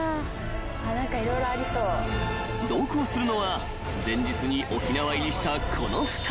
［同行するのは前日に沖縄入りしたこの２人］